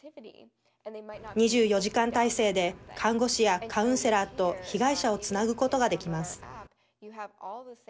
２４時間体制で看護師やカウンセラーと被害者をつなぐことができます。